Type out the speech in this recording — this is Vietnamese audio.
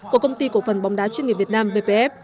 của công ty cổ phần bóng đá chuyên nghiệp việt nam vpf